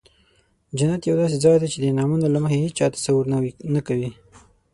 جنت یو داسې ځای دی چې د انعامونو له مخې هیچا تصور نه کوي.